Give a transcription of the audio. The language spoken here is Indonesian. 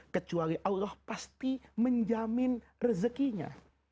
kecuali allah pasti menjamin rezekinya